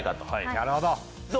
なるほど。